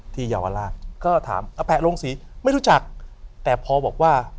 เยาวราชก็ถามอแปะโรงศรีไม่รู้จักแต่พอบอกว่า